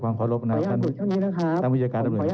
เรามีการปิดบันทึกจับกลุ่มเขาหรือหลังเกิดเหตุแล้วเนี่ย